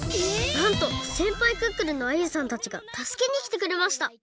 なんとせんぱいクックルンのアユさんたちがたすけにきてくれました